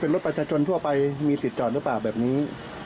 เป็นรถปัตยาชนทั่วไปมีผิดจอดหรือเปล่าแบบนี้